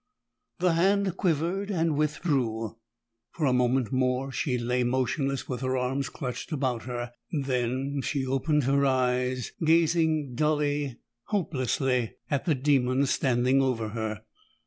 The hand quivered and withdrew. For a moment more she lay motionless with her arms clutched about her, then she opened her eyes, gazing dully, hopelessly at the demon standing over her.